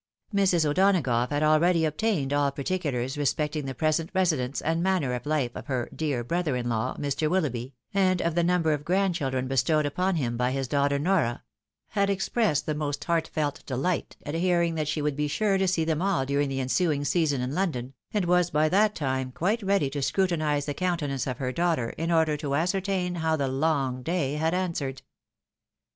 Mrs. O'Donagough had already obtained all particulars respecting the present residence and manner of life of her " dear brother in law," Mr. WiUough by, and of the number of grandchildren bestowed upon him by his daughter Nora — had expressed the most " heartfelt delight," at hearing that she would be sure to see them all during the ensuing season in London, and was by that time quite ready to scrutinise the countenance of her daughter, in order to ascertain how the long day had answered.